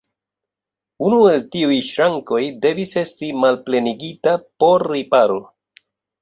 Unu el tiuj ŝrankoj devis esti malplenigita por riparo.